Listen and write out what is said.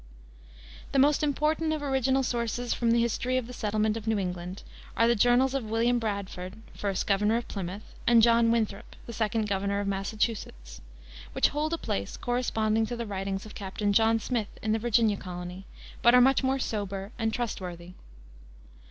The most important of original sources for the history of the settlement of New England are the journals of William Bradford, first governor of Plymouth, and John Winthrop, the second governor of Massachusetts, which hold a place corresponding to the writings of Captain John Smith in the Virginia colony, but are much more sober and trustworthy.